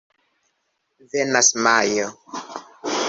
Venas Majo.